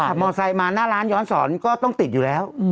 มอไซค์มาหน้าร้านย้อนสอนก็ต้องติดอยู่แล้ว